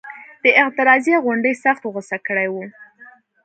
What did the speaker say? د اعتراضیه غونډې سخت غوسه کړي وو.